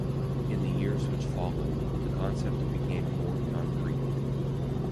In the years which followed, the concept became more concrete.